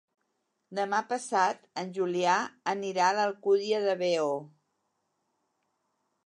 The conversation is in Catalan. Demà passat en Julià anirà a l'Alcúdia de Veo.